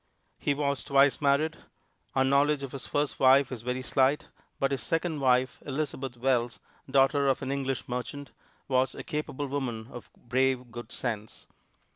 He was twice married. Our knowledge of his first wife is very slight, but his second wife, Elizabeth Wells, daughter of an English merchant, was a capable woman of brave good sense.